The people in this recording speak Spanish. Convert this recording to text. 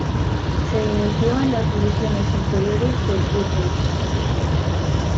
Se inició en las divisiones Inferiores del Utrecht.